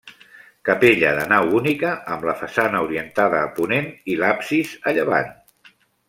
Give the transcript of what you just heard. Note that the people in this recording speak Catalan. Capella de nau única amb la façana orientada a ponent i l'absis a llevant.